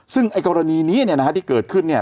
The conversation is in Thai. ซึ่งไอ้กรณีนี้เนี่ยนะฮะที่เกิดขึ้นเนี่ย